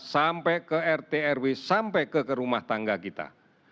sampai ke rtrw sampai ke rumah tangga kita